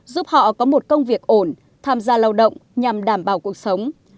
giúp họ có một công việc ổn tham gia lao động nhằm đảm bảo cuộc sống